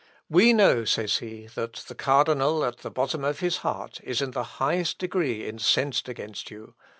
"We know," says he, "that the cardinal, at the bottom of his heart, is in the highest degree incensed against you.